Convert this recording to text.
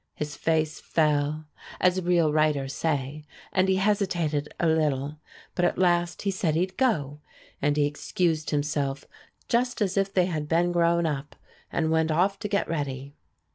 His face fell, as real writers say, and he hesitated a little, but at last he said he'd go, and he excused himself, just as if they had been grown up, and went off to get ready.